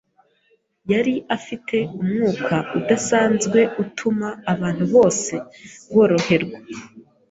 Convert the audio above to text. Yari afite umwuka udasanzwe utuma abantu bose boroherwa.